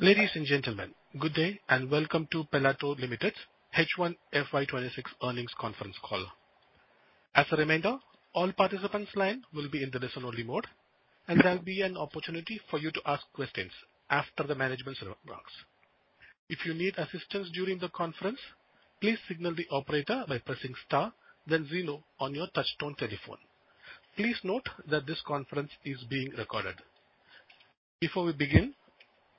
Ladies and gentlemen, good day and welcome to Pelatro Limited's H1 FY26 Earnings Conference Call. As a reminder, all participants' lines will be in the listen-only mode, and there'll be an opportunity for you to ask questions after the management's remarks. If you need assistance during the conference, please signal the operator by pressing star, then zero on your touch-tone telephone. Please note that this conference is being recorded. Before we begin,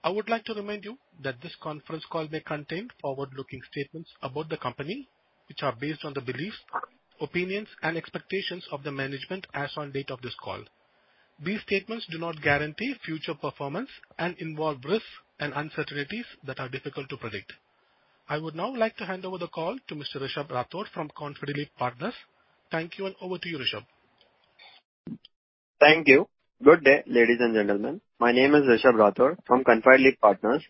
I would like to remind you that this conference call may contain forward-looking statements about the company, which are based on the beliefs, opinions, and expectations of the management as on date of this call. These statements do not guarantee future performance and involve risks and uncertainties that are difficult to predict. I would now like to hand over the call to Mr. Rishabh Rathod from ConfideLeap Partners. Thank you, and over to you, Rishabh. Thank you. Good day, ladies and gentlemen. My name is Rishabh Rathod from ConfideLeap Partners.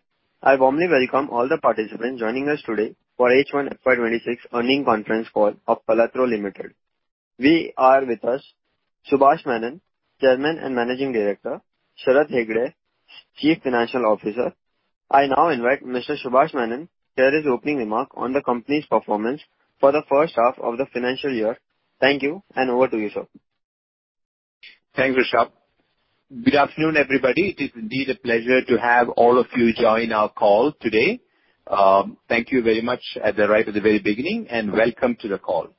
I warmly welcome all the participants joining us today for H1 FY26 earnings conference call of Pelatro Limited. We are with us, Subash Menon, Chairman and Managing Director, Sharat Hegde, Chief Financial Officer. I now invite Mr. Subash Menon to give his opening remark on the company's performance for the H1 of the financial year. Thank you, and over to you, sir. Thanks, Rishabh. Good afternoon, everybody. It is indeed a pleasure to have all of you join our call today. Thank you very much right from the very beginning, and welcome to the call.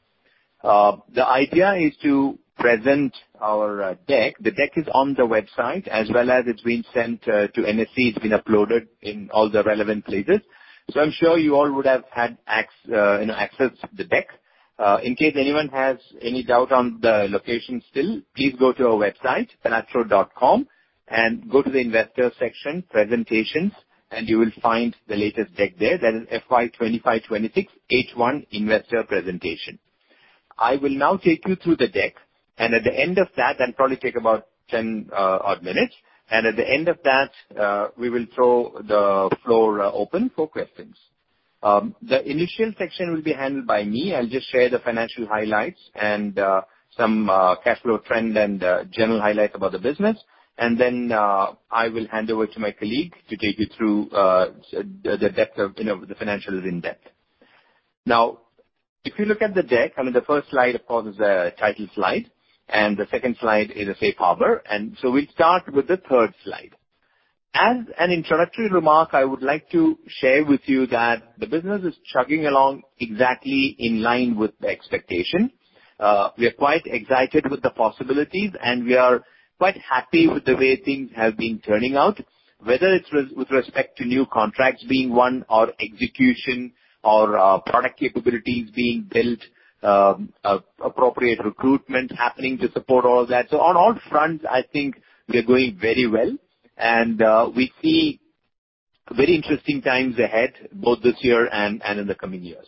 The idea is to present our deck. The deck is on the website, as well as it's been sent to NSE. It's been uploaded in all the relevant places. So I'm sure you all would have had access to the deck. In case anyone has any doubt on the location still, please go to our website, pelatro.com, and go to the Investor Section, Presentations, and you will find the latest deck there. That is FY25-26 H1 Investor Presentation. I will now take you through the deck, and at the end of that, and probably take about 10-odd minutes, and at the end of that, we will throw the floor open for questions. The initial section will be handled by me. I'll just share the financial highlights and some cash flow trend and general highlights about the business, and then I will hand over to my colleague to take you through the depth of the financials in depth. Now, if you look at the deck, I mean, the first slide, of course, is a title slide, and the second slide is a safe harbor, and so we'll start with the third slide. As an introductory remark, I would like to share with you that the business is chugging along exactly in line with the expectation. We are quite excited with the possibilities, and we are quite happy with the way things have been turning out, whether it's with respect to new contracts being won or execution or product capabilities being built, appropriate recruitment happening to support all of that. So on all fronts, I think we are going very well, and we see very interesting times ahead, both this year and in the coming years.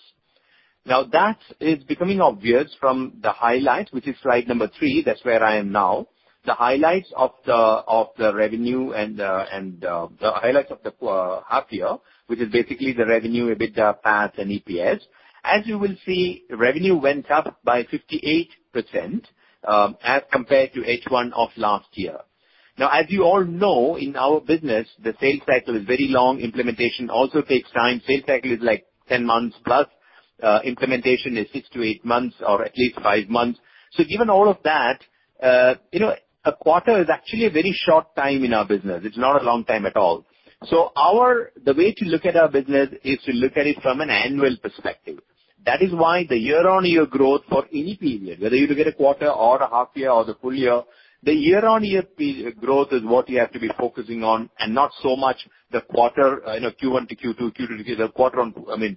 Now, that is becoming obvious from the highlight, which is slide number three. That's where I am now. The highlights of the revenue and the highlights of the half year, which is basically the revenue, EBITDA, PAT, and EPS. As you will see, revenue went up by 58% as compared to H1 of last year. Now, as you all know, in our business, the sales cycle is very long. Implementation also takes time. Sales cycle is like 10 months plus. Implementation is 6-8 months or at least 5 months. So given all of that, a quarter is actually a very short time in our business. It's not a long time at all. The way to look at our business is to look at it from an annual perspective. That is why the year-on-year growth for any period, whether you look at a quarter or a half year or the full year, the year-on-year growth is what you have to be focusing on and not so much the quarter Q1 to Q2, Q2 to Q3, the quarter on, I mean,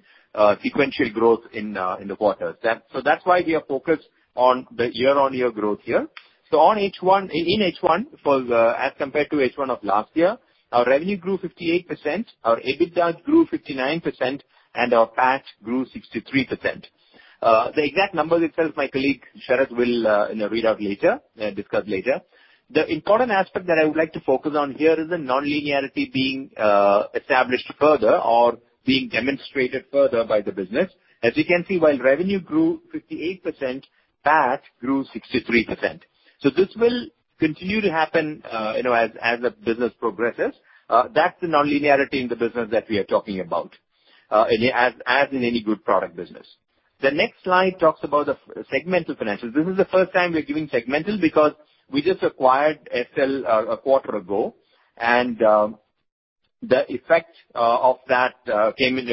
sequential growth in the quarters. That's why we are focused on the year-on-year growth here. In H1, as compared to H1 of last year, our revenue grew 58%, our EBITDA grew 59%, and our PAT grew 63%. The exact numbers itself, my colleague Sharat will read out later and discuss later. The important aspect that I would like to focus on here is the non-linearity being established further or being demonstrated further by the business. As you can see, while revenue grew 58%, PAT grew 63%. So this will continue to happen as the business progresses. That's the non-linearity in the business that we are talking about, as in any good product business. The next slide talks about the segmental financials. This is the first time we're giving segmental because we just acquired Essel a quarter ago, and the effect of that came into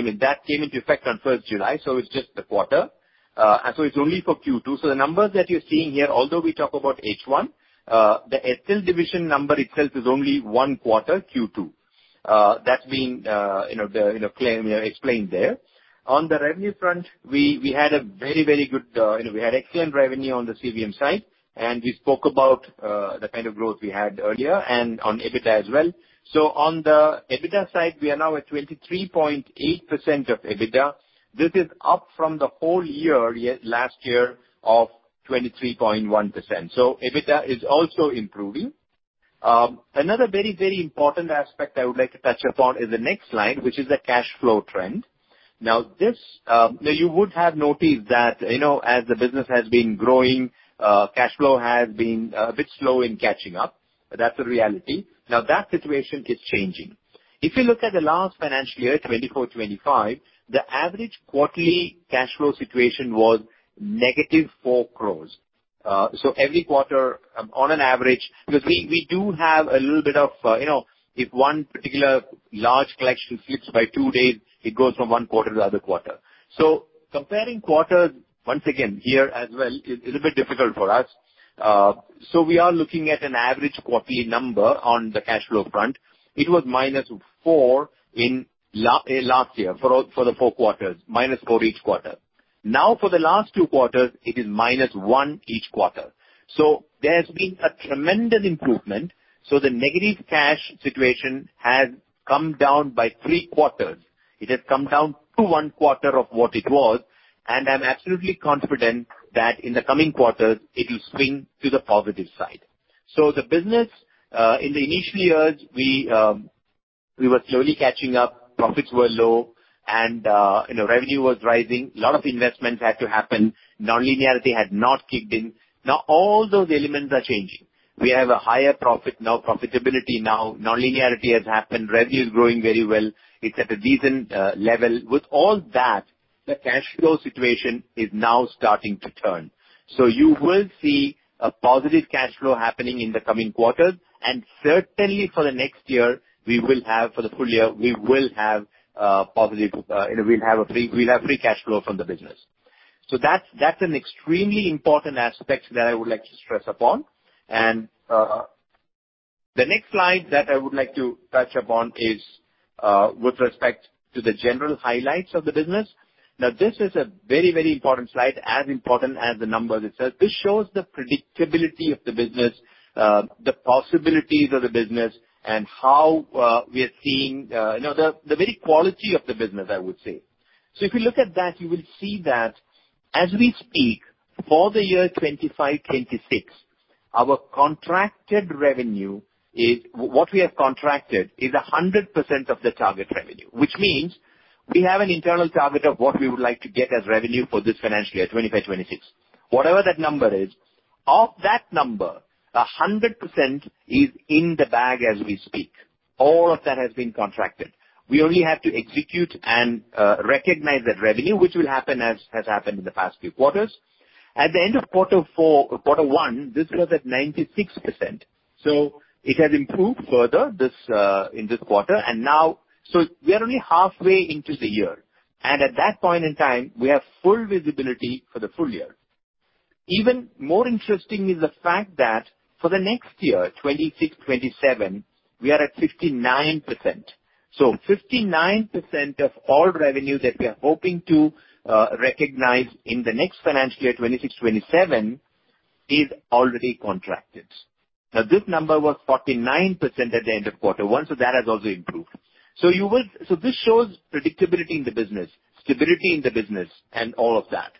effect on 1st July. So it's just the quarter. And so it's only for Q2. So the numbers that you're seeing here, although we talk about H1, the Essel division number itself is only one quarter, Q2. That's being explained there. On the revenue front, we had a very, very good, we had excellent revenue on the CVM side, and we spoke about the kind of growth we had earlier and on EBITDA as well. So on the EBITDA side, we are now at 23.8% of EBITDA. This is up from the whole year last year of 23.1%. So EBITDA is also improving. Another very, very important aspect I would like to touch upon is the next slide, which is the cash flow trend. Now, you would have noticed that as the business has been growing, cash flow has been a bit slow in catching up. That's the reality. Now, that situation is changing. If you look at the last financial year, 24-25, the average quarterly cash flow situation was negative four crores. So every quarter, on an average, because we do have a little bit of, if one particular large collection slips by two days, it goes from one quarter to the other quarter. So comparing quarters, once again, here as well, is a bit difficult for us. So we are looking at an average quarterly number on the cash flow front. It was minus four last year for the four quarters, minus four each quarter. Now, for the last two quarters, it is minus one each quarter. So there's been a tremendous improvement. So the negative cash situation has come down by three quarters. It has come down to one quarter of what it was, and I'm absolutely confident that in the coming quarters, it will swing to the positive side. So the business, in the initial years, we were slowly catching up. Profits were low, and revenue was rising. A lot of investments had to happen. Non-linearity had not kicked in. Now, all those elements are changing. We have a higher profit now, profitability now. Non-linearity has happened. Revenue is growing very well. It's at a decent level. With all that, the cash flow situation is now starting to turn. You will see a positive cash flow happening in the coming quarters, and certainly for the next year, for the full year, we will have positive free cash flow from the business. That's an extremely important aspect that I would like to stress upon. The next slide that I would like to touch upon is with respect to the general highlights of the business. Now, this is a very, very important slide, as important as the numbers itself. This shows the predictability of the business, the possibilities of the business, and how we are seeing the very quality of the business, I would say. If you look at that, you will see that as we speak, for the year 2025-26, our contracted revenue is—what we have contracted is 100% of the target revenue, which means we have an internal target of what we would like to get as revenue for this financial year, 2025-26. Whatever that number is, of that number, 100% is in the bag as we speak. All of that has been contracted. We only have to execute and recognize that revenue, which will happen as has happened in the past few quarters. At the end of quarter one, this was at 96%. It has improved further in this quarter. Now, we are only halfway into the year, and at that point in time, we have full visibility for the full year. Even more interesting is the fact that for the next year, 2026-27, we are at 59%. 59% of all revenue that we are hoping to recognize in the next financial year, 2026-2027, is already contracted. Now, this number was 49% at the end of quarter one, so that has also improved. This shows predictability in the business, stability in the business, and all of that.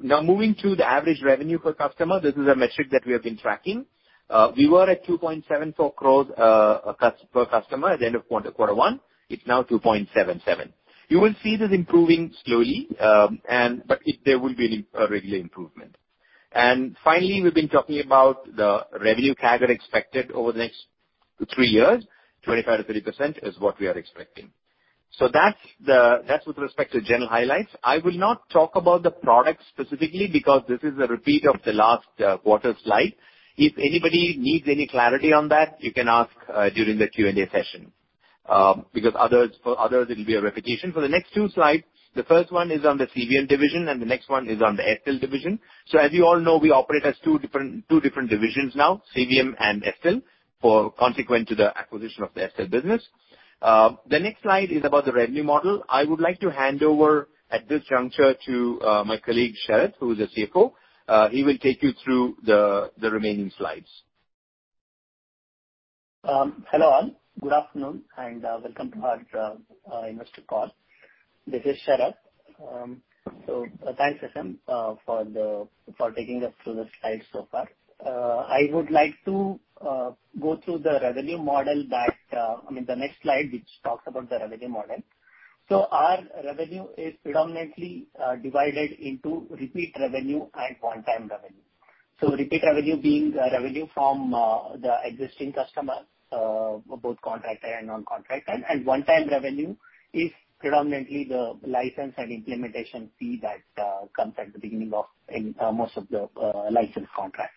Now, moving to the average revenue per customer, this is a metric that we have been tracking. We were at 2.74 crores per customer at the end of quarter one. It's now 2.77. You will see this improving slowly, but there will be a regular improvement. Finally, we've been talking about the revenue CAGR expected over the next three years, 25%-30% is what we are expecting. That's with respect to general highlights. I will not talk about the product specifically because this is a repeat of the last quarter slide. If anybody needs any clarity on that, you can ask during the Q&A session because for others, it will be a repetition. For the next two slides, the first one is on the CVM division, and the next one is on the Essel division, so as you all know, we operate as two different divisions now, CVM and Essel, consequent to the acquisition of the Essel business. The next slide is about the revenue model. I would like to hand over at this juncture to my colleague Sharat, who is a CFO. He will take you through the remaining slides. Hello all. Good afternoon, and welcome to our investor call. This is Sharat. So thanks, SM, for taking us through the slides so far. I would like to go through the revenue model that, I mean, the next slide, which talks about the revenue model. So our revenue is predominantly divided into repeat revenue and one-time revenue. So repeat revenue being revenue from the existing customer, both contractor and non-contractor, and one-time revenue is predominantly the license and implementation fee that comes at the beginning of most of the license contract.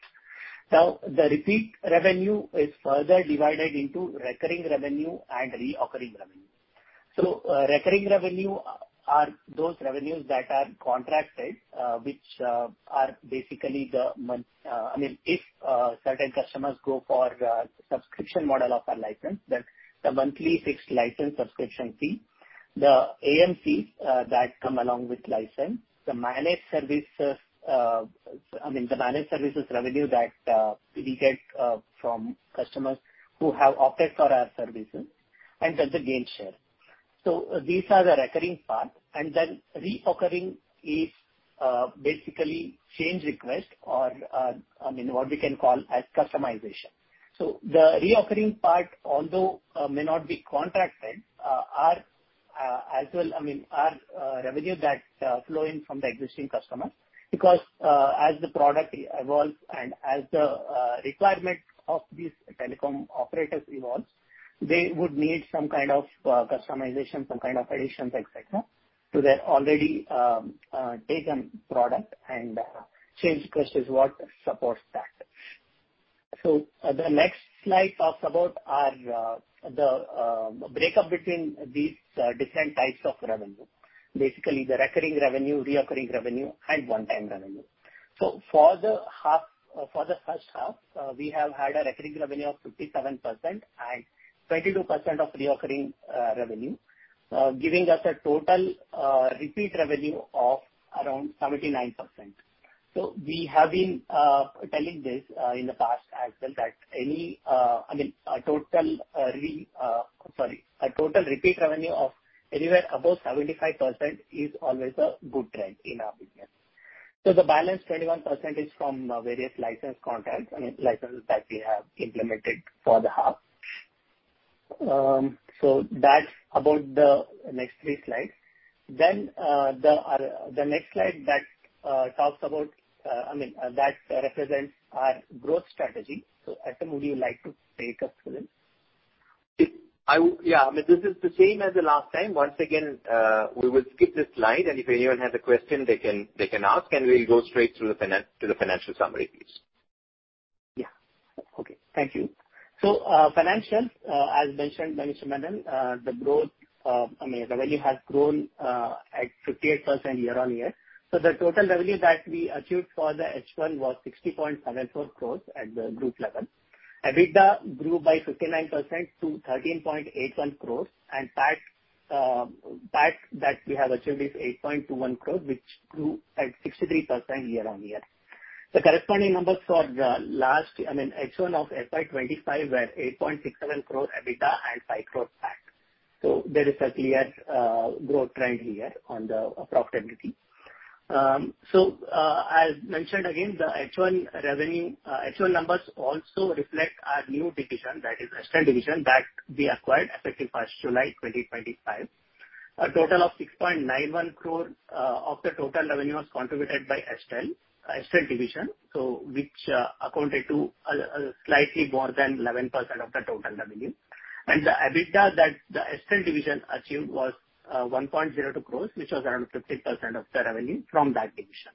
Now, the repeat revenue is further divided into recurring revenue and reoccurring revenue. So recurring revenue are those revenues that are contracted, which are basically the, I mean, if certain customers go for the subscription model of our license, then the monthly fixed license subscription fee, the AMCs that come along with license, the managed services, I mean, the managed services revenue that we get from customers who have opted for our services, and then the gain share. So these are the recurring part, and then reoccurring is basically change request or, I mean, what we can call as customization. So the reoccurring part, although may not be contracted, are as well, I mean, are revenue that flow in from the existing customers because as the product evolves and as the requirement of these telecom operators evolves, they would need some kind of customization, some kind of additions, etc., to their already taken product, and change request is what supports that. So the next slide talks about the breakup between these different types of revenue, basically the recurring revenue, reoccurring revenue, and one-time revenue. So for the H1, we have had a recurring revenue of 57% and 22% of reoccurring revenue, giving us a total repeat revenue of around 79%. So we have been telling this in the past as well that any, I mean, a total repeat revenue of anywhere above 75% is always a good trend in our business. So the balance 21% is from various license contracts, I mean, licenses that we have implemented for the half. So that's about the next three slides. Then the next slide that talks about—I mean, that represents our growth strategy. So SM, would you like to take us through this? Yeah. I mean, this is the same as the last time. Once again, we will skip this slide, and if anyone has a question, they can ask, and we'll go straight to the financial summary, please. Yeah. Okay. Thank you. So financial, as mentioned, Mr. Menon, the growth—I mean, revenue has grown at 58% year-on-year. So the total revenue that we achieved for the H1 was 60.74 crores at the group level. EBITDA grew by 59% to 13.81 crores, and PAT that we have achieved is 8.21 crores, which grew at 63% year-on-year. The corresponding numbers for last, I mean, H1 of FY25 were 8.67 crores EBITDA and 5 crores PAT. So there is a clear growth trend here on the profitability. So as mentioned again, the H1 numbers also reflect our new division, that is Essel division, that we acquired effective 1st July 2025. A total of 6.91 crores of the total revenue was contributed by Essel division, which accounted to slightly more than 11% of the total revenue. The EBITDA that the Essel division achieved was 1.02 crores, which was around 15% of the revenue from that division.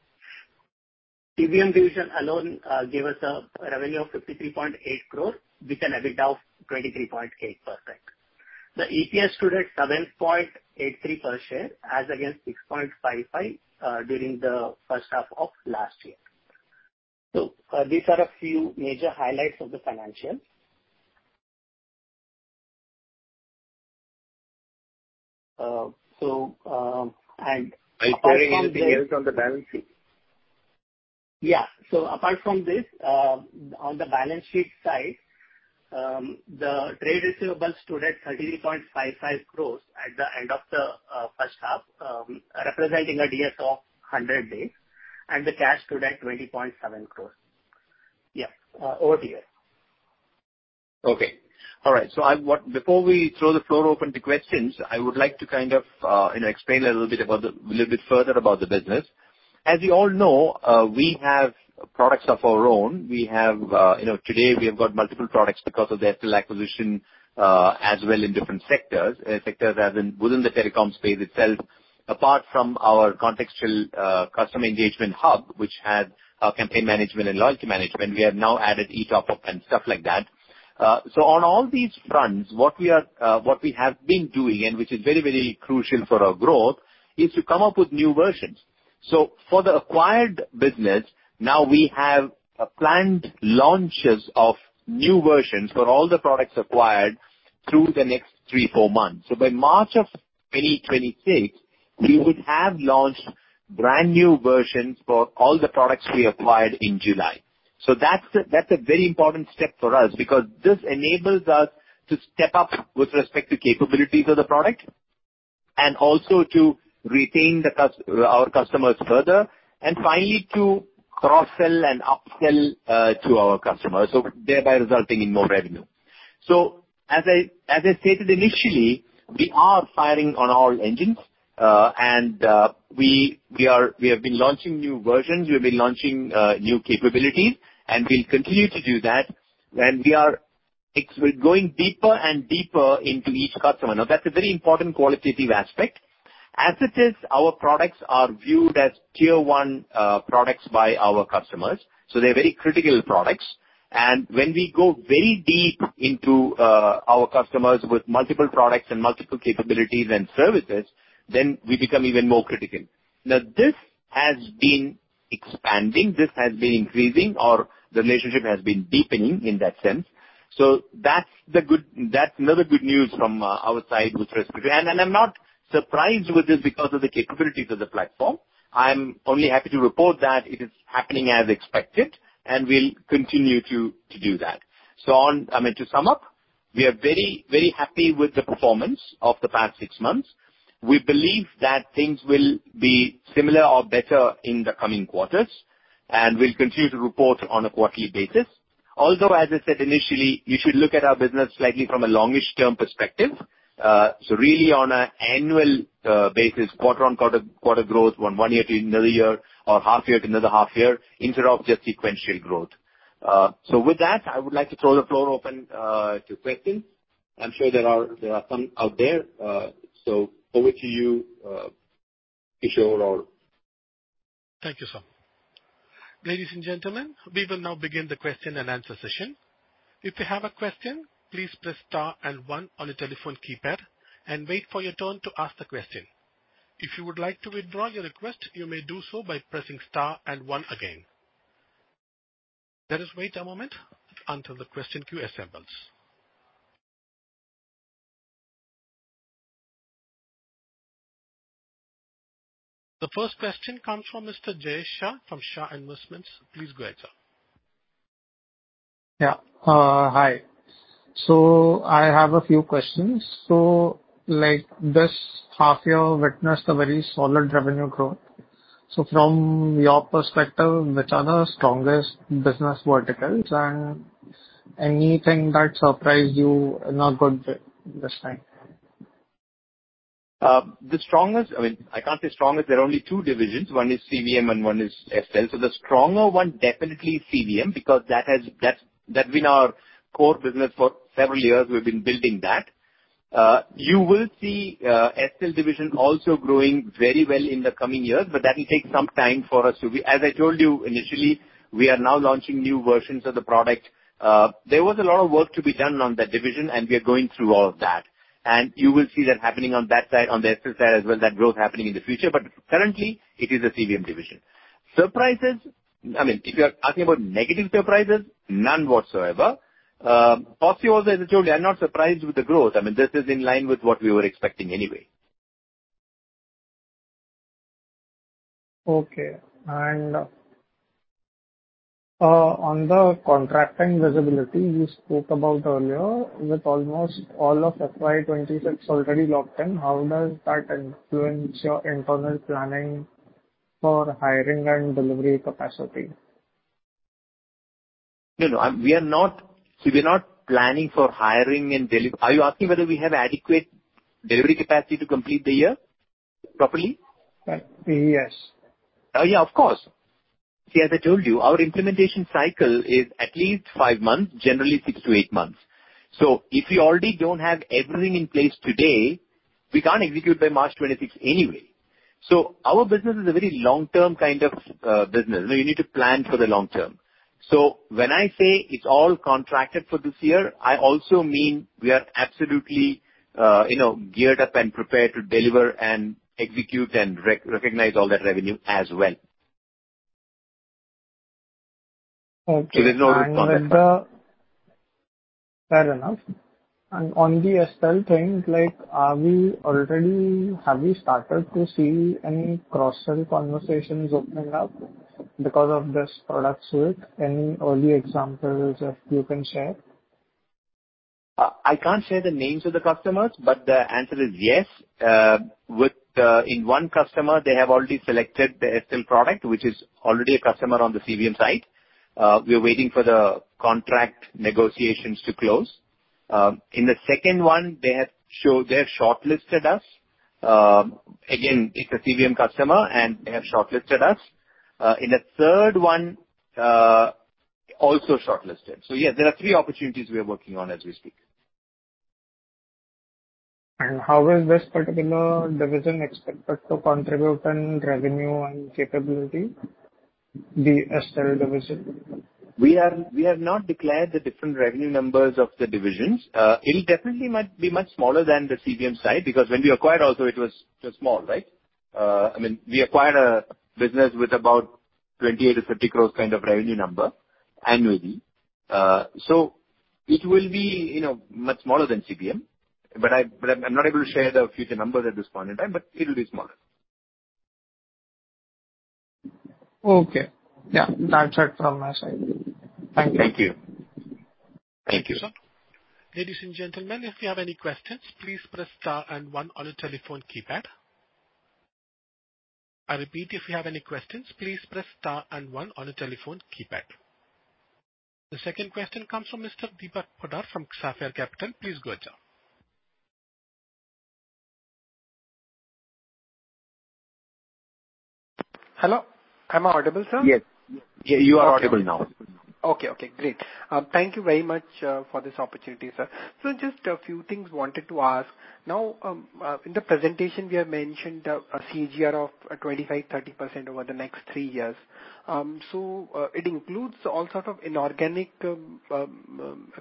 CVM division alone gave us a revenue of 53.8 crores with an EBITDA of 23.8%. The EPS stood at 7.83 per share, as against 6.55 during the H1 of last year. These are a few major highlights of the financial. So. Are you querying the details on the balance sheet? Yeah. So apart from this, on the balance sheet side, the trade receivables stood at 33.55 crores at the end of the H1, representing a DSO of 100 days, and the cash stood at 20.7 crores. Yeah. Over to you. Okay. All right. So before we throw the floor open to questions, I would like to kind of explain a little bit further about the business. As you all know, we have products of our own. Today, we have got multiple products because of the Essel acquisition as well in different sectors, sectors within the telecom space itself. Apart from our Contextual Customer Engagement Hub, which had Campaign Management and Loyalty Management, we have now added eTopUp and stuff like that. So on all these fronts, what we have been doing, and which is very, very crucial for our growth, is to come up with new versions. So for the acquired business, now we have planned launches of new versions for all the products acquired through the next three, four months. So by March of 2026, we would have launched brand new versions for all the products we acquired in July. So that's a very important step for us because this enables us to step up with respect to capabilities of the product and also to retain our customers further, and finally, to cross-sell and upsell to our customers, thereby resulting in more revenue. So as I stated initially, we are firing on all engines, and we have been launching new versions. We have been launching new capabilities, and we'll continue to do that. And we are going deeper and deeper into each customer. Now, that's a very important qualitative aspect. As it is, our products are viewed as tier-one products by our customers. So they're very critical products. When we go very deep into our customers with multiple products and multiple capabilities and services, then we become even more critical. Now, this has been expanding. This has been increasing, or the relationship has been deepening in that sense. So that's another good news from our side with respect to it. And I'm not surprised with this because of the capabilities of the platform. I'm only happy to report that it is happening as expected, and we'll continue to do that. So I mean, to sum up, we are very, very happy with the performance of the past six months. We believe that things will be similar or better in the coming quarters, and we'll continue to report on a quarterly basis. Although, as I said initially, you should look at our business slightly from a longish-term perspective. So really, on an annual basis, quarter-on-quarter growth, one year to another year, or half-year to another half-year, instead of just sequential growth. So with that, I would like to throw the floor open to questions. I'm sure there are some out there. So over to you, Kishore or. Thank you, sir. Ladies and gentlemen, we will now begin the question and answer session. If you have a question, please press star and one on the telephone keypad and wait for your turn to ask the question. If you would like to withdraw your request, you may do so by pressing star and one again. Let us wait a moment until the question queue assembles. The first question comes from Mr. Jayesh Shah from Shah Investments. Please go ahead, sir. Yeah. Hi. So I have a few questions. So this half-year witnessed a very solid revenue growth. So from your perspective, which are the strongest business verticals and anything that surprised you in a good way this time? The strongest, I mean, I can't say strongest. There are only two divisions. One is CVM and one is Essel. So the stronger one definitely is CVM because that's been our core business for several years. We've been building that. You will see Essel division also growing very well in the coming years, but that will take some time for us to, as I told you initially, we are now launching new versions of the product. There was a lot of work to be done on that division, and we are going through all of that. And you will see that happening on that side, on the Essel side as well, that growth happening in the future. But currently, it is the CVM division. Surprises? I mean, if you're talking about negative surprises, none whatsoever. Positive also, as I told you, I'm not surprised with the growth. I mean, this is in line with what we were expecting anyway. Okay, and on the contracting visibility you spoke about earlier, with almost all of FY26 already locked in, how does that influence your internal planning for hiring and delivery capacity? No, no. We are not planning for hiring and delivery. Are you asking whether we have adequate delivery capacity to complete the year properly? Yes. Yeah, of course. See, as I told you, our implementation cycle is at least five months, generally six to eight months. So if we already don't have everything in place today, we can't execute by March 26 anyway. So our business is a very long-term kind of business. You need to plan for the long term. So when I say it's all contracted for this year, I also mean we are absolutely geared up and prepared to deliver and execute and recognize all that revenue as well. Okay. So there's no room for that. Fair enough. And on the Essel thing, have we started to see any cross-sell conversations opening up because of this product suite? Any early examples that you can share? I can't share the names of the customers, but the answer is yes. In one customer, they have already selected the Essel product, which is already a customer on the CVM side. We are waiting for the contract negotiations to close. In the second one, they have shortlisted us. Again, it's a CVM customer, and they have shortlisted us. In the third one, also shortlisted. So yeah, there are three opportunities we are working on as we speak. How is this particular division expected to contribute in revenue and capability, the Essel division? We have not declared the different revenue numbers of the divisions. It definitely might be much smaller than the CVM side because when we acquired, also, it was small, right? I mean, we acquired a business with about 28 or 30 crores kind of revenue number annually. So it will be much smaller than CVM, but I'm not able to share the future numbers at this point in time, but it will be smaller. Okay. Yeah. That's it from my side. Thank you. Thank you. Thank you. Thank you, sir. Ladies and gentlemen, if you have any questions, please press star and one on the telephone keypad. I repeat, if you have any questions, please press star and one on the telephone keypad. The second question comes from Mr. Deepak Poddar from Sapphire Capital. Please go ahead, sir. Hello. Am I audible, sir? Yes. You are audible now. Okay. Okay. Great. Thank you very much for this opportunity, sir. So just a few things wanted to ask. Now, in the presentation, we have mentioned a CAGR of 25%-30% over the next three years. So it includes all sorts of inorganic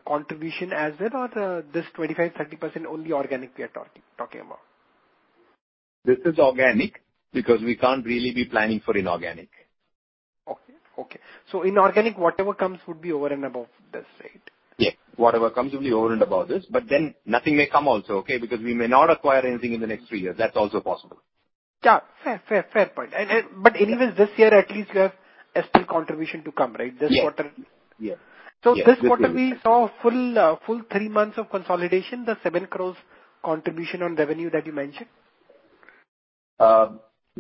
contribution as well or this 25%-30% only organic we are talking about? This is organic because we can't really be planning for inorganic. Okay. Okay. So inorganic, whatever comes would be over and above this, right? Yeah. Whatever comes would be over and above this, but then nothing may come also, okay, because we may not acquire anything in the next three years. That's also possible. Yeah. Fair, fair, fair point. But anyways, this year, at least, you have Essel contribution to come, right? Yeah. Yeah. So this quarter, we saw full three months of consolidation, the seven crores contribution on revenue that you mentioned? Yes.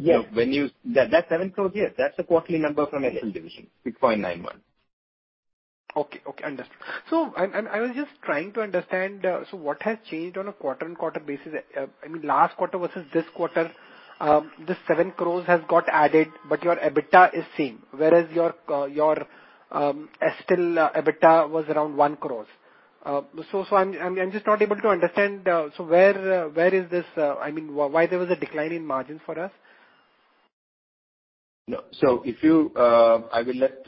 That 7 crores, yes. That's a quarterly number from Essel Division, 6.91. Okay. Okay. Understood. So I was just trying to understand, so what has changed on a quarter-on-quarter basis? I mean, last quarter versus this quarter, the 7 crores has got added, but your EBITDA is same, whereas your Essel EBITDA was around 1 crore. So I'm just not able to understand, so where is this? I mean, why there was a decline in margin for us? No. So if you—I will let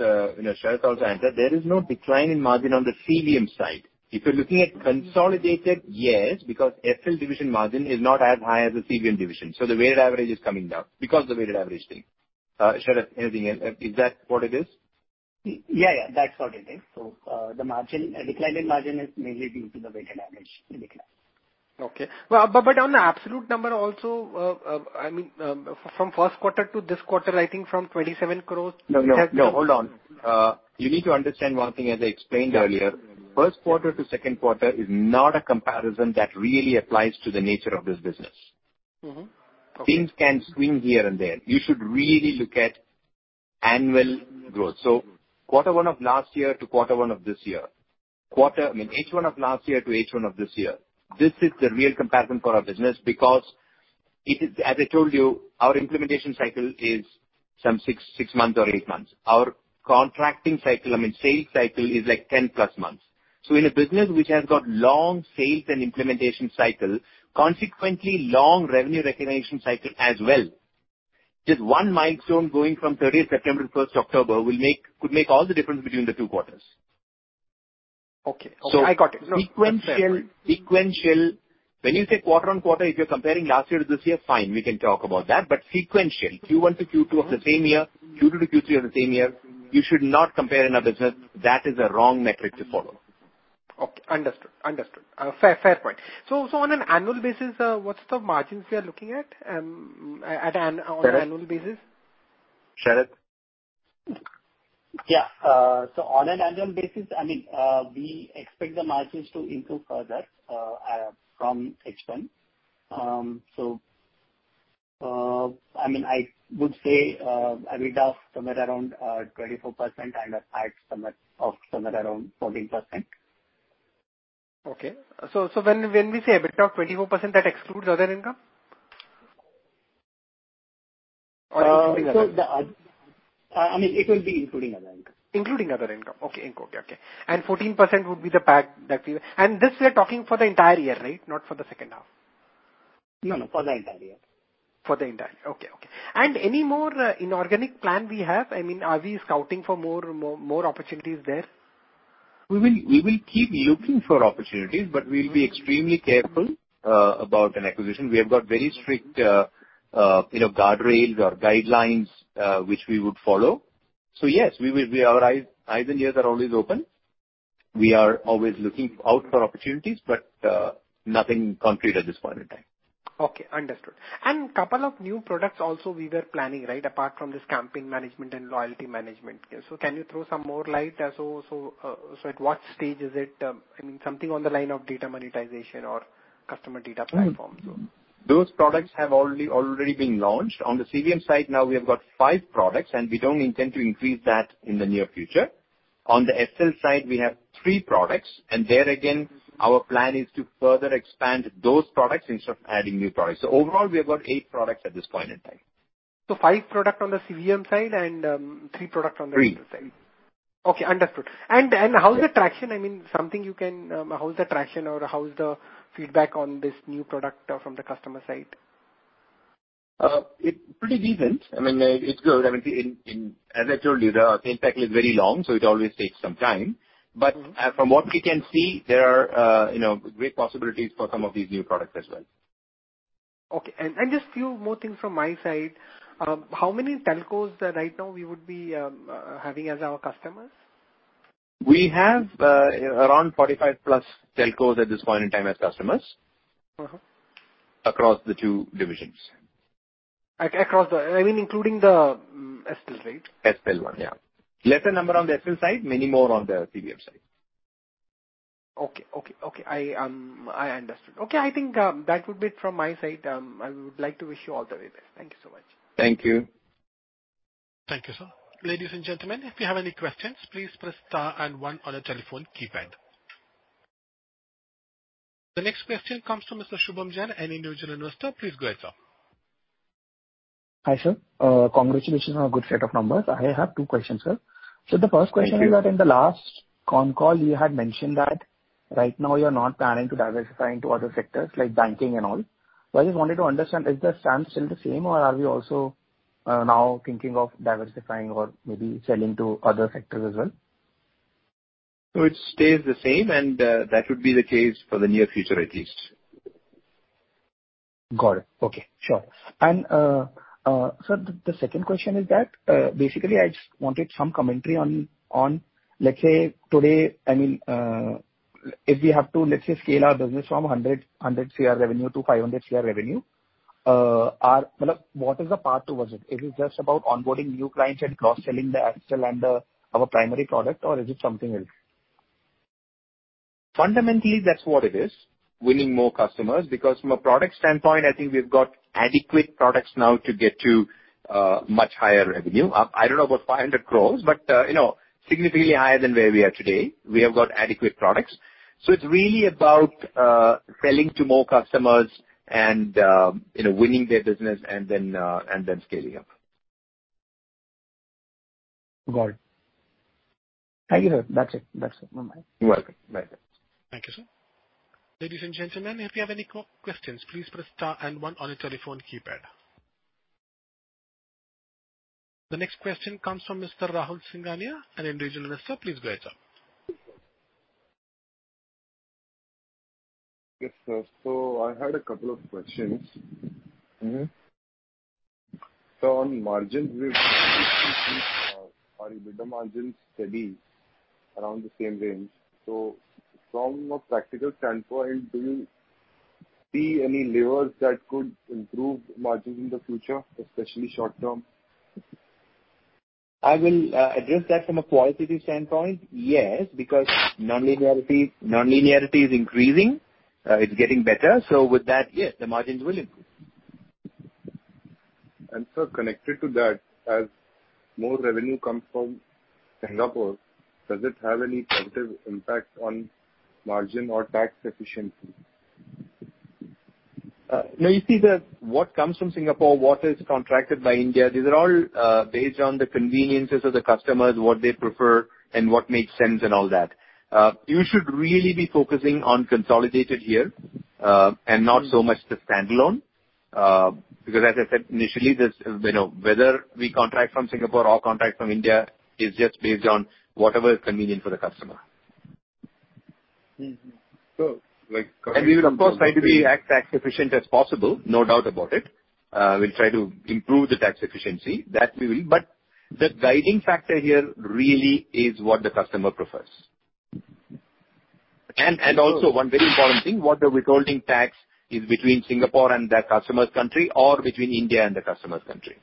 Sharat also answer. There is no decline in margin on the CVM side. If you're looking at consolidated, yes, because Essel Division margin is not as high as the CVM division. So the weighted average is coming down because of the weighted average thing. Sharat, anything else? Is that what it is? Yeah. Yeah. That's what it is. So the decline in margin is mainly due to the weighted average decline. Okay. But on the absolute number also, I mean, from Q1 to this quarter, I think from 27 crores. No. No. Hold on. You need to understand one thing, as I explained earlier. Q1 to Q2 is not a comparison that really applies to the nature of this business. Things can swing here and there. You should really look at annual growth. So quarter one of last year to quarter one of this year, quarter - I mean, H1 of last year to H1 of this year, this is the real comparison for our business because, as I told you, our implementation cycle is some six months or eight months. Our contracting cycle, I mean, sales cycle is like 10 plus months. So in a business which has got long sales and implementation cycle, consequently, long revenue recognition cycle as well, just one milestone going from 30th September to 1st October could make all the difference between the two quarters. Okay. Okay. I got it. So sequential, when you say quarter on quarter, if you're comparing last year to this year, fine, we can talk about that. But sequential, Q1 to Q2 of the same year, Q2 to Q3 of the same year, you should not compare in our business. That is a wrong metric to follow. Okay. Understood. Understood. Fair point. So on an annual basis, what's the margins we are looking at on an annual basis? Sharat? Yeah. So on an annual basis, I mean, we expect the margins to improve further from H1. So I mean, I would say EBITDA is somewhere around 24% and PAT is somewhere around 14%. Okay. So when we say EBITDA of 24%, that excludes other income? I mean, it will be including other income. Including other income. Okay. Okay. Okay. And 14% would be the part that we, and this we are talking for the entire year, right? Not for the H2? No, no. For the entire year. For the entire year. Okay. Okay. And any more inorganic plan we have? I mean, are we scouting for more opportunities there? We will keep looking for opportunities, but we'll be extremely careful about an acquisition. We have got very strict guardrails or guidelines which we would follow. So yes, our eyes and ears are always open. We are always looking out for opportunities, but nothing concrete at this point in time. Okay. Understood. And a couple of new products also we were planning, right, apart from this campaign management and loyalty management. So can you throw some more light? So at what stage is it? I mean, something on the line of Data Monetization or customer data platform, so. Those products have already been launched. On the CVM side, now we have got five products, and we don't intend to increase that in the near future. On the Essel side, we have three products. And there again, our plan is to further expand those products instead of adding new products. So overall, we have got eight products at this point in time. Five products on the CVM side and three products on the Essel side. Three. Okay. Understood. And how's the traction? I mean, something you can—how's the traction or how's the feedback on this new product from the customer side? It's pretty decent. I mean, it's good. I mean, as I told you, the sales cycle is very long, so it always takes some time. But from what we can see, there are great possibilities for some of these new products as well. Okay. And just a few more things from my side. How many telcos right now we would be having as our customers? We have around 45-plus telcos at this point in time as customers across the two divisions. I mean, including the Essel, right? Essel one, yeah. Lesser number on the Essel side, many more on the CVM side. Okay. I understood. Okay. I think that would be it from my side. I would like to wish you all the very best. Thank you so much. Thank you. Thank you, sir. Ladies and gentlemen, if you have any questions, please press star and one on the telephone keypad. The next question comes from Mr. Shubham Jain, an individual investor. Please go ahead, sir. Hi, sir. Congratulations on a good set of numbers. I have two questions, sir. So the first question is that in the last con call, you had mentioned that right now you're not planning to diversify into other sectors like banking and all. So I just wanted to understand, is the stance still the same, or are we also now thinking of diversifying or maybe selling to other sectors as well? So it stays the same, and that would be the case for the near future at least. Got it. Okay. Sure. And sir, the second question is that basically, I just wanted some commentary on, let's say, today, I mean, if we have to, let's say, scale our business from 100 CR revenue to 500 CR revenue, what is the path towards it? Is it just about onboarding new clients and cross-selling the Essel and our primary product, or is it something else? Fundamentally, that's what it is. Winning more customers because from a product standpoint, I think we've got adequate products now to get to much higher revenue. I don't know about 500 crores, but significantly higher than where we are today. We have got adequate products. So it's really about selling to more customers and winning their business and then scaling up. Got it. Thank you, sir. That's it. That's it. You're welcome. Bye. Thank you, sir. Thank you, sir. Ladies and gentlemen, if you have any questions, please press star and one on the telephone keypad. The next question comes from Mr. Rahul Singhania, an individual investor. Please go ahead, sir. Yes, sir. So I had a couple of questions. So on margins, we've seen our EBITDA margins steady around the same range. So from a practical standpoint, do you see any levers that could improve margins in the future, especially short-term? I will address that from a qualitative standpoint, yes, because nonlinearity is increasing. It's getting better. So with that, yes, the margins will improve. And sir, connected to that, as more revenue comes from Singapore, does it have any positive impact on margin or tax efficiency? Now, you see that what comes from Singapore, what is contracted by India, these are all based on the conveniences of the customers, what they prefer, and what makes sense and all that. You should really be focusing on consolidated here and not so much the standalone because, as I said initially, whether we contract from Singapore or contract from India is just based on whatever is convenient for the customer. So we will, of course, try to be as tax efficient as possible, no doubt about it. We'll try to improve the tax efficiency. That we will. But the guiding factor here really is what the customer prefers. And also, one very important thing, what the withholding tax is between Singapore and that customer's country or between India and the customer's country.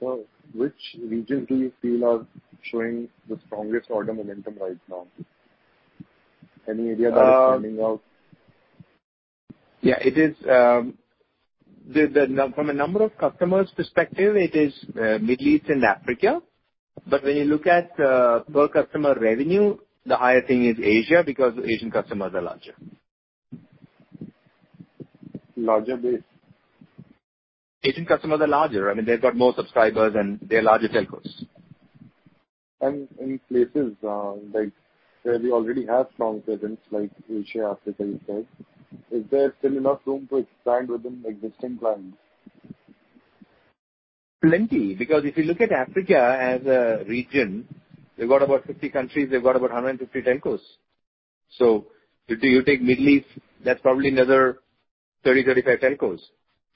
So which region do you feel are showing the strongest order momentum right now? Any area that is standing out? Yeah. From a number of customers' perspective, it is the Middle East and Africa. But when you look at per customer revenue, the higher thing is Asia because Asian customers are larger. Larger base? Asian customers are larger. I mean, they've got more subscribers, and they're larger telcos. And in places where we already have strong presence, like Asia and Africa, you said, is there still enough room to expand within existing clients? Plenty. Because if you look at Africa as a region, they've got about 50 countries. They've got about 150 telcos. So if you take the Middle East, that's probably another 30-35 telcos.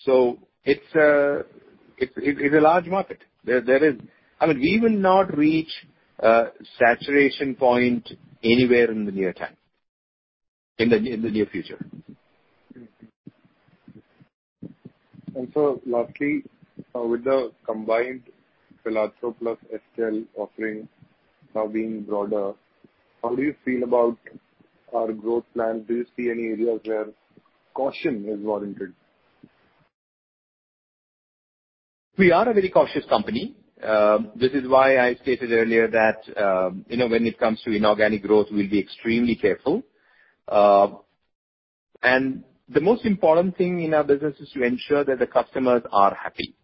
So it's a large market. I mean, we will not reach saturation point anywhere in the near future. Sir, lastly, with the combined Pelatro plus Essel offering now being broader, how do you feel about our growth plan? Do you see any areas where caution is warranted? We are a very cautious company. This is why I stated earlier that when it comes to inorganic growth, we'll be extremely careful, and the most important thing in our business is to ensure that the customers are happy,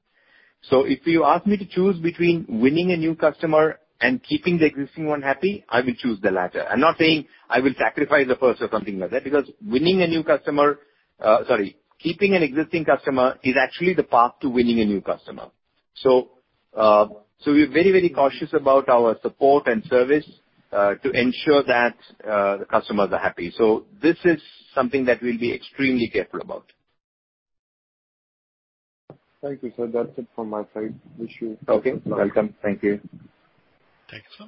so if you ask me to choose between winning a new customer and keeping the existing one happy, I will choose the latter. I'm not saying I will sacrifice the first or something like that because winning a new customer, sorry, keeping an existing customer is actually the path to winning a new customer. So we're very, very cautious about our support and service to ensure that the customers are happy, so this is something that we'll be extremely careful about. Thank you, sir. That's it from my side. Wish you a pleasant day. Okay. Welcome. Thank you. Thank you, sir.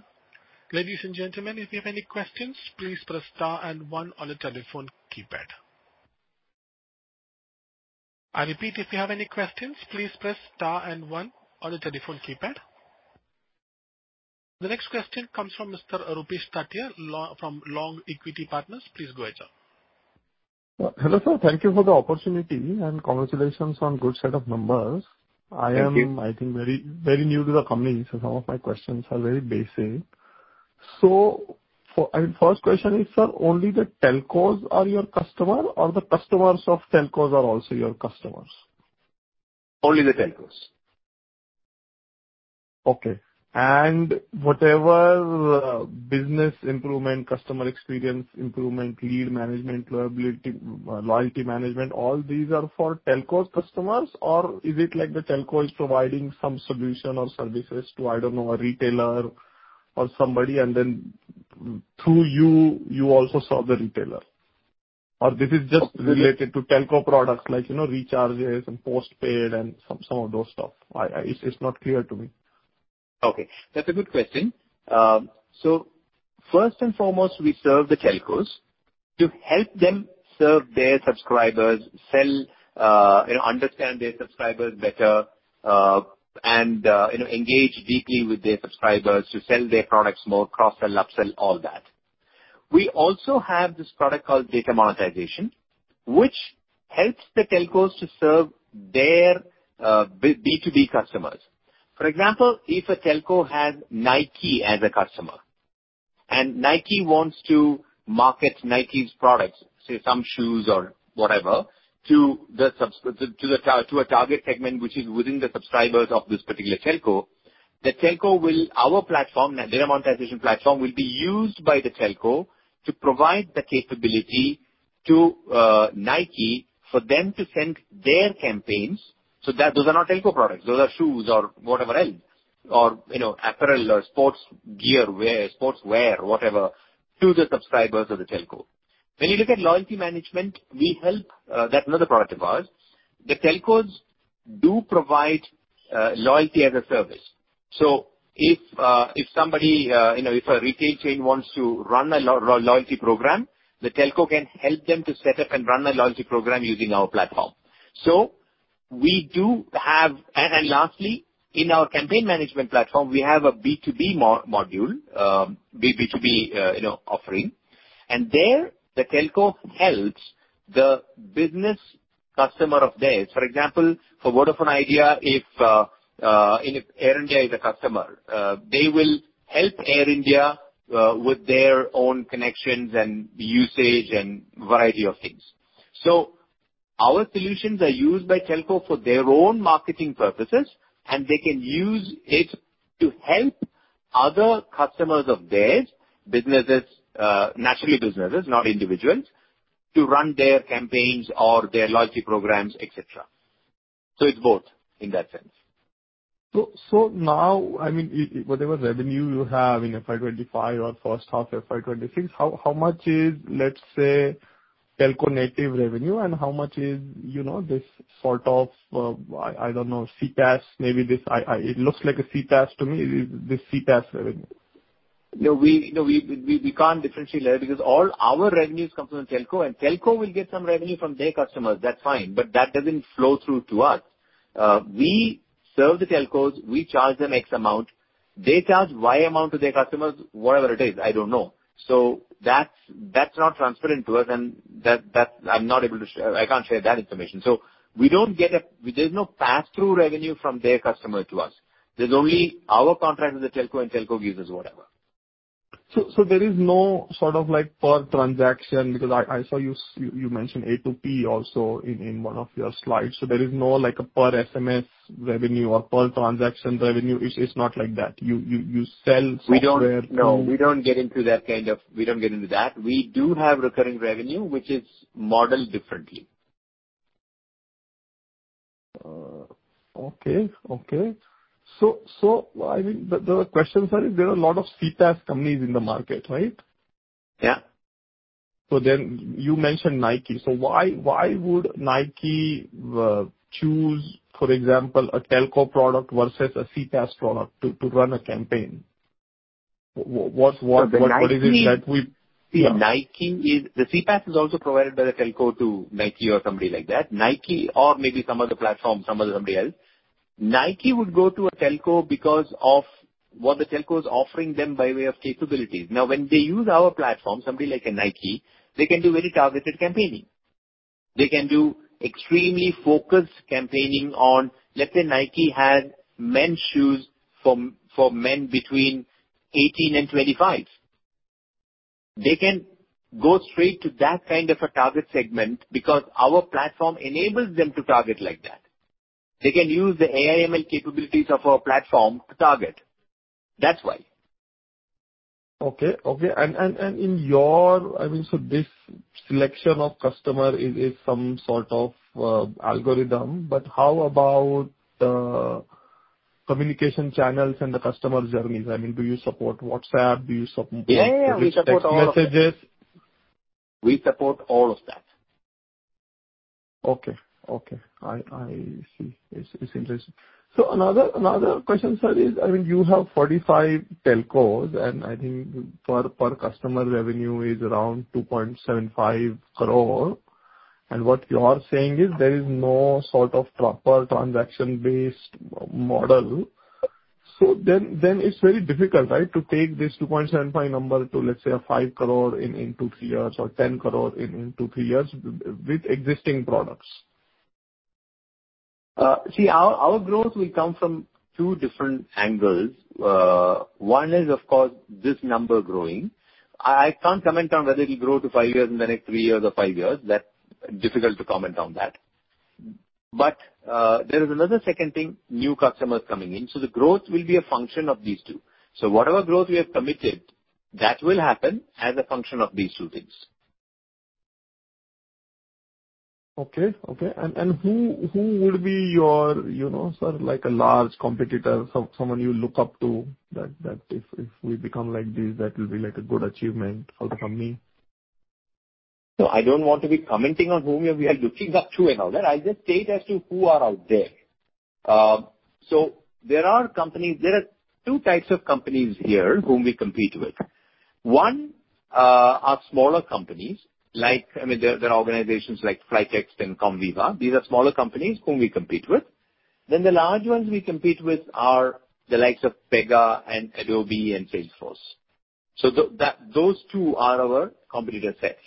Ladies and gentlemen, if you have any questions, please press star and one on the telephone keypad. I repeat, if you have any questions, please press star and one on the telephone keypad. The next question comes from Mr. Rupesh Tatia from Long Equity Partners. Please go ahead, sir. Hello, sir. Thank you for the opportunity and congratulations on a good set of numbers. I am, I think, very new to the company, so some of my questions are very basic. So first question is, sir, only the telcos are your customer, or the customers of telcos are also your customers? Only the telcos. Okay. And whatever business improvement, customer experience improvement, lead management, loyalty management, all these are for telco customers, or is it like the telco is providing some solution or services to, I don't know, a retailer or somebody, and then through you, you also serve the retailer? Or this is just related to telco products like recharges and postpaid and some of those stuff? It's not clear to me. Okay. That's a good question. So first and foremost, we serve the telcos to help them serve their subscribers, understand their subscribers better, and engage deeply with their subscribers to sell their products more, cross-sell, upsell, all that. We also have this product called data monetization, which helps the telcos to serve their B2B customers. For example, if a telco has Nike as a customer and Nike wants to market Nike's products, say, some shoes or whatever, to a target segment which is within the subscribers of this particular telco, the telco will, our platform, data monetization platform, will be used by the telco to provide the capability to Nike for them to send their campaigns. So those are not telco products. Those are shoes or whatever else, or apparel or sports gear, sportswear, whatever, to the subscribers of the telco. When you look at loyalty management, we help, that's another product of ours. The telcos do provide loyalty as a service. So if somebody, if a retail chain wants to run a loyalty program, the telco can help them to set up and run a loyalty program using our platform. So we do have, and lastly, in our campaign management platform, we have a B2B module, B2B offering. And there, the telco helps the business customer of theirs. For example, for Vodafone Idea, if Air India is a customer, they will help Air India with their own connections and usage and variety of things. So our solutions are used by telco for their own marketing purposes, and they can use it to help other customers of theirs, naturally businesses, not individuals, to run their campaigns or their loyalty programs, etc. So it's both in that sense. So now, I mean, whatever revenue you have in FY 25 or H1 of FY 26, how much is, let's say, telco-native revenue, and how much is this sort of, I don't know, CPaaS? Maybe it looks like a CPaaS to me. Is this CPaaS revenue? No, we can't differentiate that because all our revenues come from the telco, and telco will get some revenue from their customers. That's fine. But that doesn't flow through to us. We serve the telcos. We charge them X amount. They charge Y amount to their customers, whatever it is. I don't know. So that's not transparent to us, and I'm not able to—I can't share that information. So we don't get a—there's no pass-through revenue from their customer to us. There's only our contract with the telco, and telco gives us whatever. So there is no sort of per transaction because I saw you mentioned A2P also in one of your slides. So there is no per SMS revenue or per transaction revenue. It's not like that. You sell software to. We don't get into that kind of. We don't get into that. We do have recurring revenue, which is modeled differently. Okay. So I mean, the question, sir, is there are a lot of CPaaS companies in the market, right? Yeah. So then you mentioned Nike. So why would Nike choose, for example, a telco product versus a CPaaS product to run a campaign? What is it that we? The CPaaS is also provided by the telco to Nike or somebody like that. Nike or maybe some other platform, some other company else. Nike would go to a telco because of what the telco is offering them by way of capabilities. Now, when they use our platform, somebody like a Nike, they can do very targeted campaigning. They can do extremely focused campaigning on, let's say, Nike has men's shoes for men between 18 and 25. They can go straight to that kind of a target segment because our platform enables them to target like that. They can use the AI/ML capabilities of our platform to target. That's why. Okay. Okay. And in your, I mean, so this selection of customer is some sort of algorithm, but how about the communication channels and the customer journeys? I mean, do you support WhatsApp? Do you support? Yeah, yeah. We support all of that. Messages? We support all of that. Okay. Okay. I see. It's interesting. So another question, sir, is, I mean, you have 45 telcos, and I think per customer revenue is around 2.75 crore. And what you are saying is there is no sort of proper transaction-based model. So then it's very difficult, right, to take this 2.75 number to, let's say, a 5 crore in two, three years, or 10 crore in two, three years with existing products? See, our growth will come from two different angles. One is, of course, this number growing. I can't comment on whether it will grow to five years and then three years or five years. That's difficult to comment on that. But there is another second thing, new customers coming in. So the growth will be a function of these two. So whatever growth we have committed, that will happen as a function of these two things. Okay. Okay. And who would be your, sir, a large competitor, someone you look up to that if we become like this, that will be a good achievement for the company? So I don't want to be commenting on whom we are looking up to and all that. I just state as to who are out there. So there are companies. There are two types of companies here whom we compete with. One are smaller companies. I mean, there are organizations like Flytxt and Comviva. These are smaller companies whom we compete with. Then the large ones we compete with are the likes of Pega and Adobe and Salesforce. So those two are our competitor sets.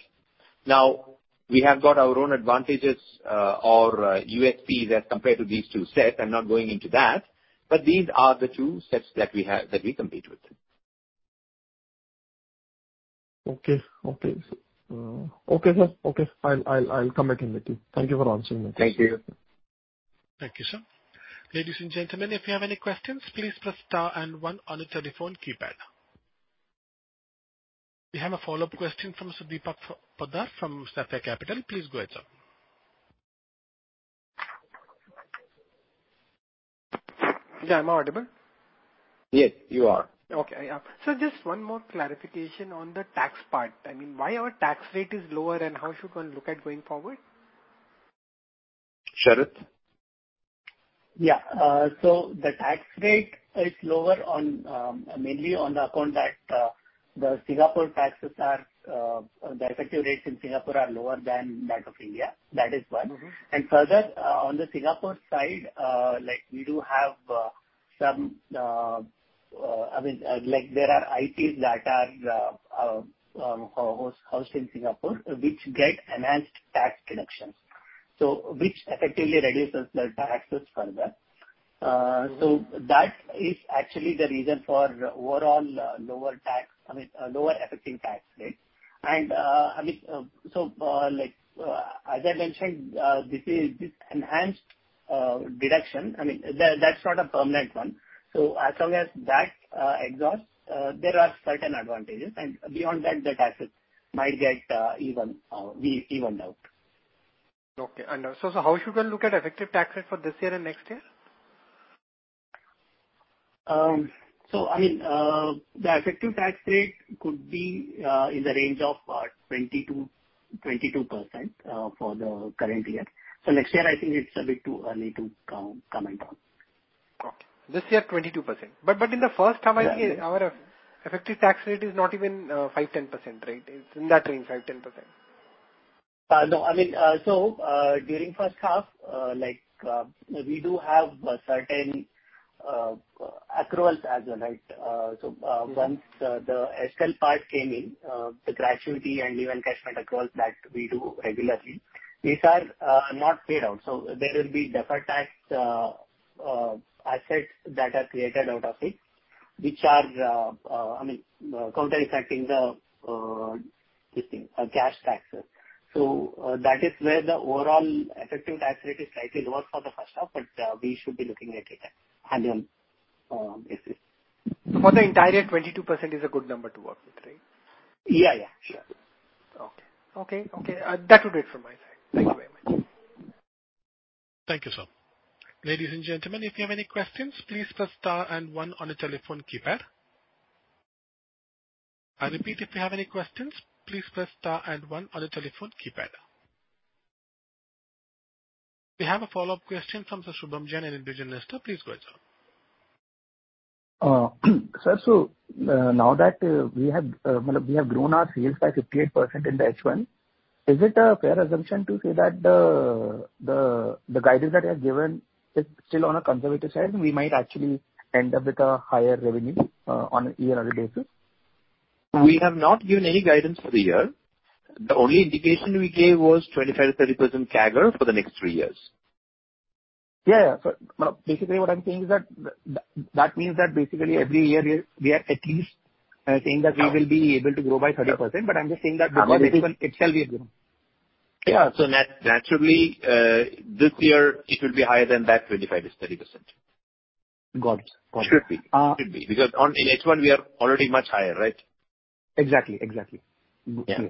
Now, we have got our own advantages or USPs as compared to these two sets. I'm not going into that. But these are the two sets that we compete with. Okay, sir. I'll come back in with you. Thank you for answering my question. Thank you. Thank you, sir. Ladies and gentlemen, if you have any questions, please press star and one on the telephone keypad. We have a follow-up question from Sudeep Pattar from Snapback Capital. Please go ahead, sir. Yeah. I'm audible. Yes, you are. Okay. Yeah. So just one more clarification on the tax part. I mean, why our tax rate is lower and how should one look at going forward? Sharat. Yeah. So the tax rate is lower mainly on the account that the Singapore taxes are, the effective rates in Singapore are lower than that of India. That is one. And further, on the Singapore side, we do have some. I mean, there are ITs that are housed in Singapore which get enhanced tax deductions, which effectively reduces the taxes further. So that is actually the reason for overall lower effective tax rate. And I mean, so as I mentioned, this enhanced deduction, I mean, that's not a permanent one. So as long as that exhausts, there are certain advantages. And beyond that, the taxes might get evened out. Okay. And so how should one look at effective tax rate for this year and next year? So I mean, the effective tax rate could be in the range of 22% for the current year. So next year, I think it's a bit too early to comment on. Okay. This year, 22%. But in the H1, I think our effective tax rate is not even 5%-10%, right? It's in that range, 5%-10%. No. I mean, so during H1, we do have certain accruals as well, right? So once the SL part came in, the gratuity and leave encashment accruals that we do regularly, these are not paid out. So there will be deferred tax assets that are created out of it, which are, I mean, counteracting the cash taxes. So that is where the overall effective tax rate is slightly lower for the H1, but we should be looking at it annually. For the entire year, 22% is a good number to work with, right? Yeah. Yeah. Sure. Okay. Okay. Okay. That would be it from my side. Thank you very much. Thank you, sir. Ladies and gentlemen, if you have any questions, please press star and one on the telephone keypad. I repeat, if you have any questions, please press star and one on the telephone keypad. We have a follow-up question from Shubham Jain, an individual investor. Please go ahead, sir. Sir, so now that we have grown our sales by 58% in the H1, is it a fair assumption to say that the guidance that you have given is still on a conservative side, and we might actually end up with a higher revenue on a year-on-year basis? We have not given any guidance for the year. The only indication we gave was 25%-30% CAGR for the next three years. Yeah. Yeah. So basically, what I'm saying is that that means that basically, every year, we are at least saying that we will be able to grow by 30%. But I'm just saying that itself, we have grown. Yeah. So naturally, this year, it will be higher than that 25%-30%. Got it. Got it. It should be. It should be because in H1, we are already much higher, right? Exactly. Exactly. Yeah.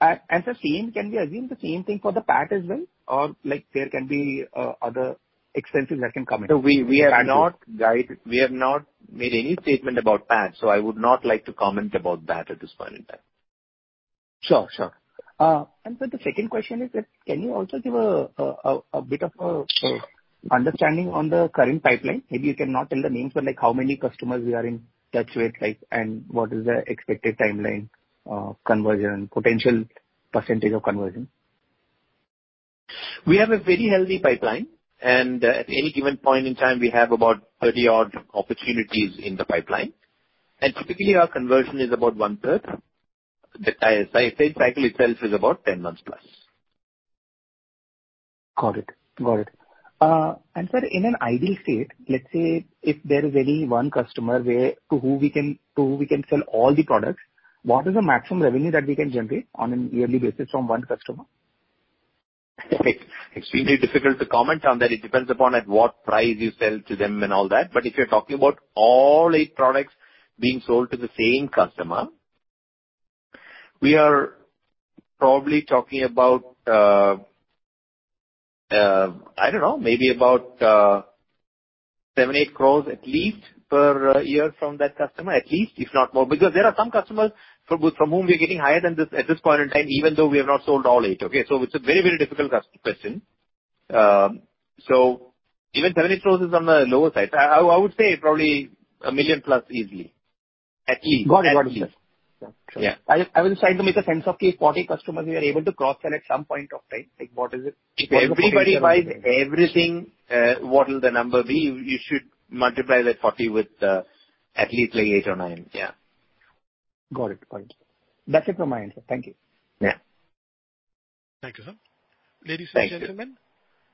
The same, can we assume the same thing for the PAT as well, or there can be other expenses that can come into the PAT? We have not made any statement about PAT, so I would not like to comment about that at this point in time. Sure. Sure. And so the second question is, can you also give a bit of understanding on the current pipeline? Maybe you cannot tell the names, but how many customers we are in touch with, and what is the expected timeline, conversion, potential percentage of conversion? We have a very healthy pipeline, and at any given point in time, we have about 30-odd opportunities in the pipeline. Typically, our conversion is about one-third. The sales cycle itself is about 10 months plus. Got it. Got it. And sir, in an ideal state, let's say if there is any one customer to whom we can sell all the products, what is the maximum revenue that we can generate on a yearly basis from one customer? Extremely difficult to comment on that. It depends upon at what price you sell to them and all that. But if you're talking about all eight products being sold to the same customer, we are probably talking about, I don't know, maybe about 7-8 crores at least per year from that customer, at least, if not more. Because there are some customers from whom we're getting higher than this at this point in time, even though we have not sold all eight, okay? So it's a very, very difficult question. So even 7-8 crores is on the lower side. I would say probably a million plus easily, at least. Got it. Got it. Yeah. I was just trying to make a sense of, okay, 40 customers, we are able to cross-sell at some point of time. What is it? If everybody buys everything, what will the number be? You should multiply that 40 with at least like eight or nine. Yeah. Got it. Got it. That's it from my end, sir. Thank you. Yeah. Thank you, sir. Ladies and gentlemen,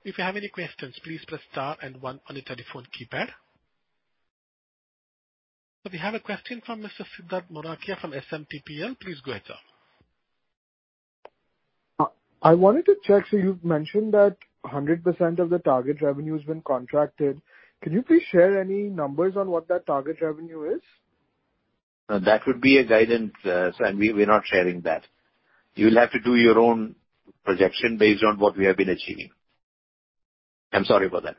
if you have any questions, please press star and one on the telephone keypad, so we have a question from Mr. Siddhant Morakhia from SMTPL. Please go ahead, sir. I wanted to check. So you've mentioned that 100% of the target revenue has been contracted. Can you please share any numbers on what that target revenue is? That would be a guidance, sir. And we're not sharing that. You will have to do your own projection based on what we have been achieving. I'm sorry for that.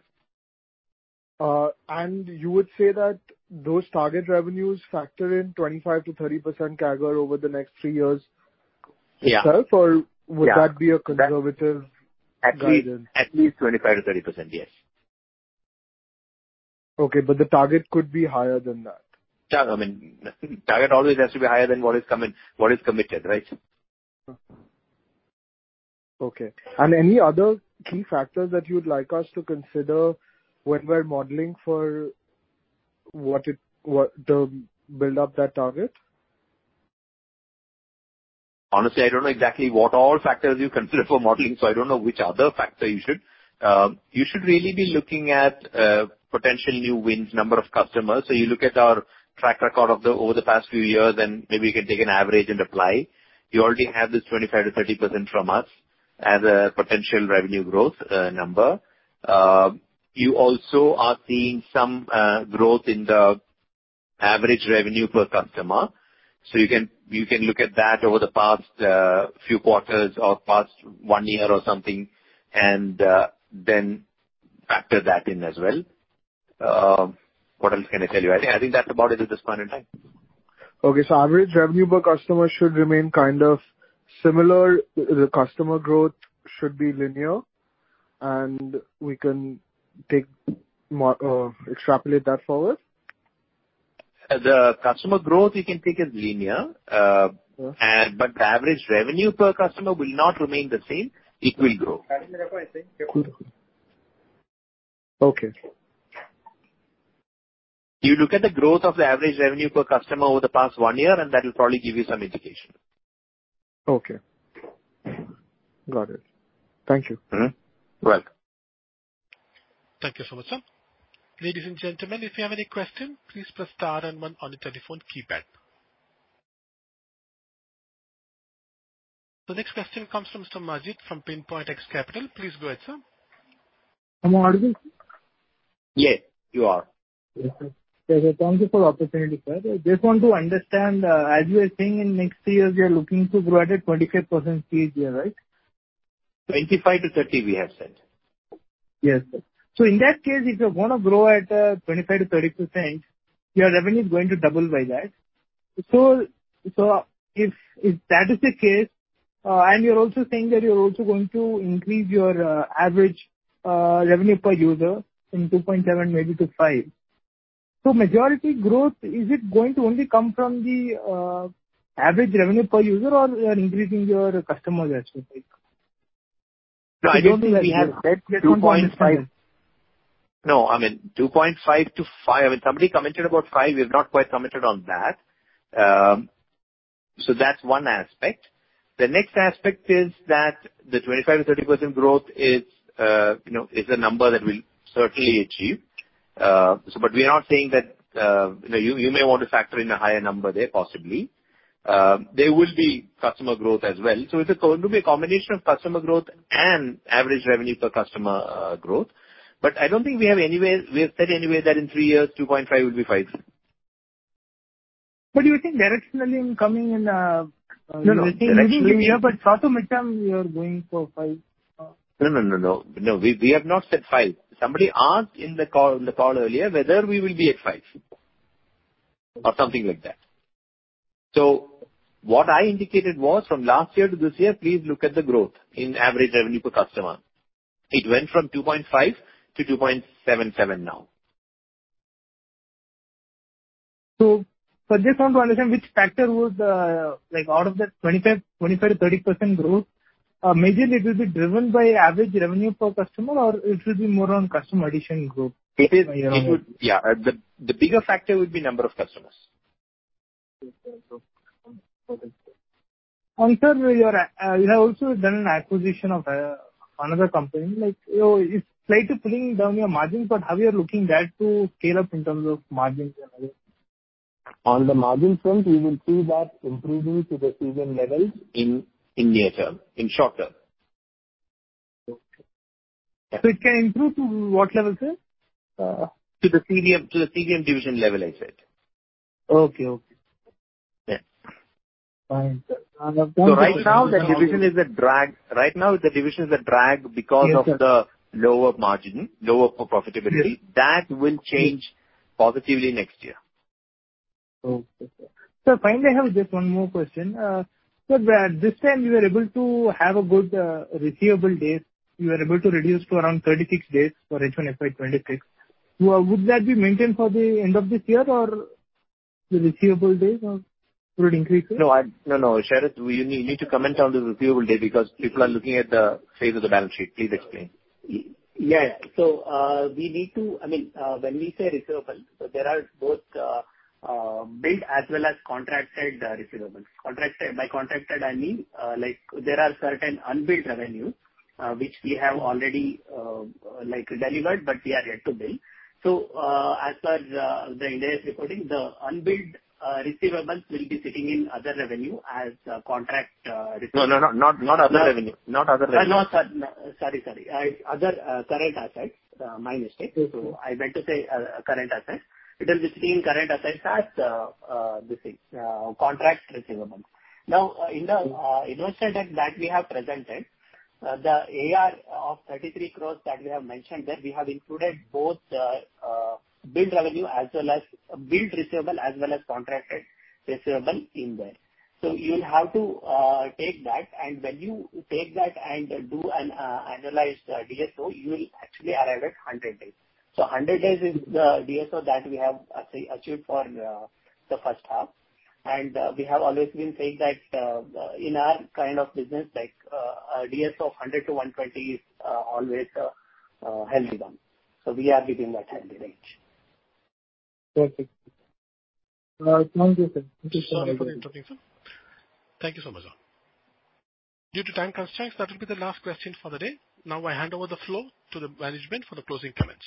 You would say that those target revenues factor in 25%-30% CAGR over the next three years itself, or would that be a conservative guidance? At least 25%-30%, yes. Okay. But the target could be higher than that. I mean, target always has to be higher than what is committed, right? Okay. And any other key factors that you'd like us to consider when we're modeling for the build-up that target? Honestly, I don't know exactly what all factors you consider for modeling, so I don't know which other factor you should. You should really be looking at potential new wins, number of customers. So you look at our track record over the past few years, and maybe you can take an average and apply. You already have this 25%-30% from us as a potential revenue growth number. You also are seeing some growth in the average revenue per customer. So you can look at that over the past few quarters or past one year or something, and then factor that in as well. What else can I tell you? I think that's about it at this point in time. Okay. So average revenue per customer should remain kind of similar. The customer growth should be linear, and we can extrapolate that forward? The customer growth you can take as linear, but the average revenue per customer will not remain the same. It will grow. Okay. You look at the growth of the average revenue per customer over the past one year, and that will probably give you some indication. Okay. Got it. Thank you. You're welcome. Thank you so much, sir. Ladies and gentlemen, if you have any question, please press star and one on the telephone keypad. The next question comes from Mr. Majid from Pinpoint X Capital. Please go ahead, sir. I'm audible? Yes, you are. Yes, sir. Thank you for the opportunity, sir. I just want to understand, as you were saying, in next three years, you're looking to grow at a 25% CAGR, right? 25-30, we have said. Yes, sir. So in that case, if you want to grow at 25%-30%, your revenue is going to double by that. So if that is the case, and you're also saying that you're also going to increase your average revenue per user from 2.7 maybe to 5. So majority growth, is it going to only come from the average revenue per user, or you're increasing your customers' expectation? No, I just said we have said 2.5. No, I mean, 2.5-5. I mean, somebody commented about 5. We have not quite commented on that. So that's one aspect. The next aspect is that the 25%-30% growth is a number that we'll certainly achieve. But we are not saying that you may want to factor in a higher number there, possibly. There will be customer growth as well. So it will be a combination of customer growth and average revenue per customer growth. But I don't think we have anywhere we have said anywhere that in three years, 2.5 will be 5. But you're saying directionally incoming in the same year? Directionally in the same year, but short-term income, you're going for five? No, no, no, no. No, we have not said 5. Somebody asked in the call earlier whether we will be at 5 or something like that. So what I indicated was from last year to this year, please look at the growth in average revenue per customer. It went from 2.5 to 2.77 now. So for this one to understand, which factor would out of that 25%-30% growth, maybe it will be driven by average revenue per customer, or it will be more on customer addition growth? Yeah. The bigger factor would be number of customers. Okay. And sir, you have also done an acquisition of another company. It's slightly pulling down your margins, but how are you looking at that to scale up in terms of margins and other? On the margin front, you will see that improving to the CVM levels. In near-term, in short-term. Okay. So it can improve to what level, sir? To the CVM division level, I said. Okay. Okay. Yeah. Fine. So right now, the division is a drag. Right now, the division is a drag because of the lower margin, lower profitability. That will change positively next year. Okay. Sir, finally, I have just one more question. Sir, at this time, you were able to have a good DSO. You were able to reduce to around 36 days for H1 FY25, FY26. Would that be maintained for the end of this year or the DSO would increase? No, no, no. Sharat, you need to comment on the receivable date because people are looking at the face of the balance sheet. Please explain. Yes. So we need to, I mean, when we say receivable, there are both billed as well as contracted receivables. By contracted, I mean there are certain unbilled revenues which we have already delivered, but we are yet to bill. So as per the India reporting, the unbilled receivables will be sitting in other revenue as contract receivables. No, no, no. Not other revenue. Not other revenue. Sorry, sorry. Other current assets. My mistake. So I meant to say current assets. It will be sitting in current assets as this contract receivables. Now, in the investor deck that we have presented, the AR of 33 crores that we have mentioned there, we have included both billed revenue as well as billed receivable as well as contracted receivable in there. So you will have to take that, and when you take that and do an annualized DSO, you will actually arrive at 100 days. So 100 days is the DSO that we have achieved for the H1. And we have always been saying that in our kind of business, DSO of 100 to 120 is always a healthy one. So we are within that healthy range. Perfect. Thank you, sir. Thank you so much, sir. Thank you so much, sir. Due to time constraints, that will be the last question for the day. Now, I hand over the floor to the management for the closing comments.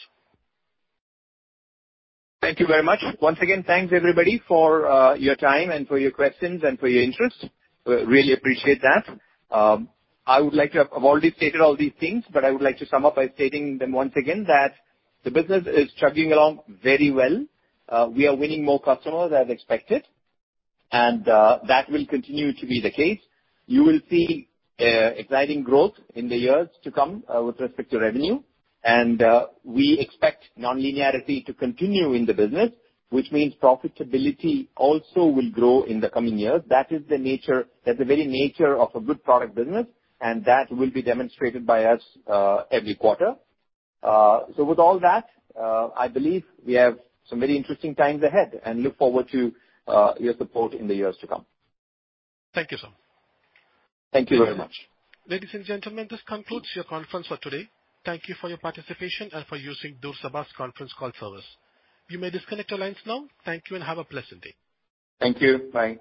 Thank you very much. Once again, thanks everybody for your time and for your questions and for your interest. We really appreciate that. I would like to have already stated all these things, but I would like to sum up by stating them once again that the business is chugging along very well. We are winning more customers as expected, and that will continue to be the case. You will see exciting growth in the years to come with respect to revenue. And we expect non-linearity to continue in the business, which means profitability also will grow in the coming years. That is the very nature of a good product business, and that will be demonstrated by us every quarter. So with all that, I believe we have some very interesting times ahead and look forward to your support in the years to come. Thank you, sir. Thank you very much. Ladies and gentlemen, this concludes your conference for today. Thank you for your participation and for using Diamond Pass Conference Call service. You may disconnect your lines now. Thank you and have a pleasant day. Thank you. Bye.